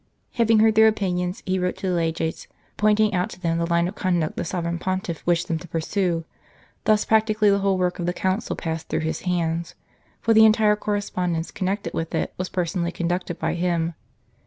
Having heard their opinions, he wrote to the Legates, pointing out to them the line of conduct the Sovereign Pontiff wished them to pursue ; thus practically the whole work of the Council passed through his hands, for the entire correspondence connected with it was personally conducted by him.